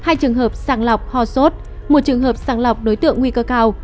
hai trường hợp sàng lọc ho sốt một trường hợp sàng lọc đối tượng nguy cơ cao